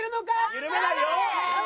緩めないよ。